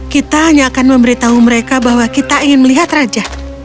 kita hanya akan memberitahu mereka bahwa kita ingin melihat raja